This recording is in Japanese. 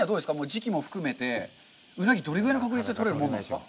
時期も含めて、うなぎ、どれぐらいの確率で取れるんですか？